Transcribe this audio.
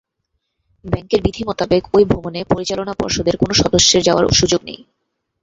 ব্যাংকের বিধি মোতাবেক ওই ভ্রমণে পরিচালনা পর্ষদের কোনো সদস্যের যাওয়ার সুযোগ নেই।